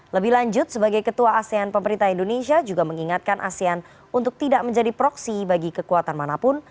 lebih lanjut sebagai ketua asean pemerintah indonesia juga mengingatkan asean untuk tidak menjadi proksi bagi kekuatan manapun